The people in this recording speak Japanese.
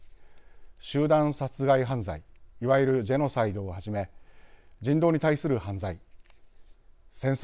集団殺害犯罪いわゆるジェノサイドをはじめ人道に対する犯罪戦争